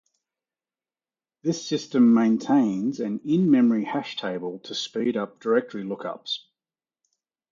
This system maintains an in-memory hash table to speed up directory lookups.